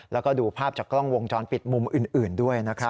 แล้วก็ดูภาพจากกล้องวงจรปิดมุมอื่นด้วย